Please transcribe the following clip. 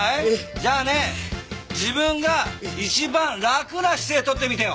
じゃあね自分が一番楽な姿勢を取ってみてよ。